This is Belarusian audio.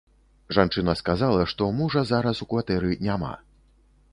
Жанчына сказала, што мужа зараз у кватэры няма.